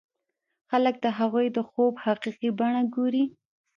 خلک د هغوی د خوب حقيقي بڼه ګوري.